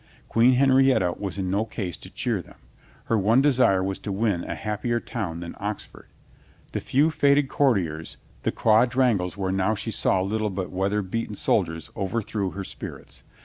Queen Henrietta was in no case to cheer them. Her one desire was to win to a happier town than Oxford. The few faded courtiers, the quad rangles where now she saw little but weather beaten 2IO COLONEL GREATHEART soldiers overthrew her spirits.